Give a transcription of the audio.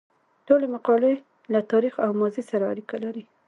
ټولې مقالې له تاریخ او ماضي سره اړیکه لري.